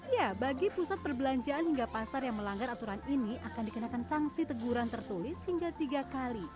ya bagi pusat perbelanjaan hingga pasar yang melanggar aturan ini akan dikenakan sanksi teguran tertulis hingga tiga kali